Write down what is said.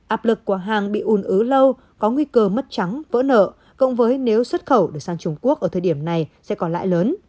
áp lực của hàng bị ùn ứ lâu có nguy cơ mất trắng vỡ nợ cộng với nếu xuất khẩu được sang trung quốc ở thời điểm này sẽ còn lại lớn